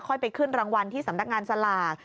ไปขึ้นรางวัลที่สำนักงานสลาก